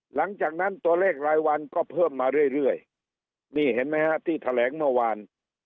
หลังจากนั้นตัวเลขรายวันก็เพิ่มมาเรื่อยนี่เห็นไหมฮะที่แถลงเมื่อวาน